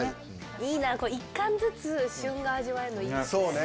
いいな、これ、１貫ずつ旬が味わえるのいいですよね。